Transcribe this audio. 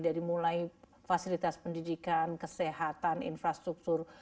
dari mulai fasilitas pendidikan kesehatan infrastruktur